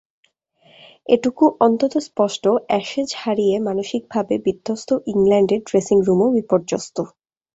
এটুকু অন্তত স্পষ্ট, অ্যাশেজ হারিয়ে মানসিকভাবে বিধ্বস্ত ইংল্যান্ডের ড্রেসিং রুমও বিপর্যস্ত।